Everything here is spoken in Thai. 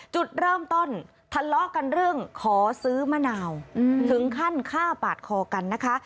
จุดเริ่มต้นทะเลาะกันเรื่องขอซื้อมะนาวถึงขั้นฆ่าปาดคอกันนะคะ